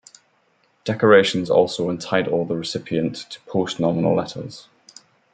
Decorations also entitle the recipient to post-nominal letters.